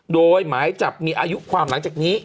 โดยหมายจับมีอายุความหลังจากนี้